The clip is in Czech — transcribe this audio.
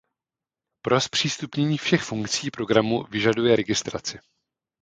Pro zpřístupnění všech funkcí programu vyžaduje registraci.